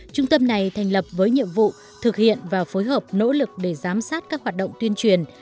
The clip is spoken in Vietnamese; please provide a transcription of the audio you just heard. trung tâm này thành lập với nhiệm vụ thực hiện và phối hợp nỗ lực để giám sát các hoạt động tuyên truyền